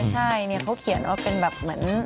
ใช่เขาเขียนว่าเป็นแบบเหมือน